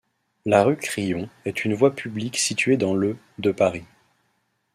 La rue Crillon est une voie publique située dans le de Paris.